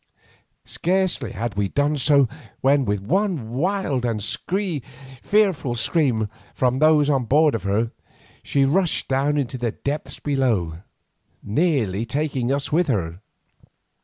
Scarcely had we done so, when, with one wild and fearful scream from those on board of her, she rushed down into the depths below, nearly taking us with her.